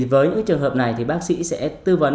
với những trường hợp này thì bác sĩ sẽ tư vấn